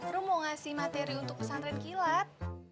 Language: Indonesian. ru mau ngasih materi untuk pesantren kilat